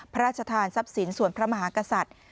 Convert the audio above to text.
พระราชทานทรัพย์สินส่วนพระมหากษัตริย์